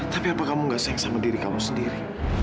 tapi apa kamu gak sayang sama diri kamu sendiri